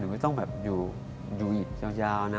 หนูก็ต้องอยู่ยาวนะ